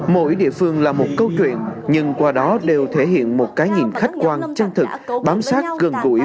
mỗi địa phương là một câu chuyện nhưng qua đó đều thể hiện một cái nhìn khách quan chân thực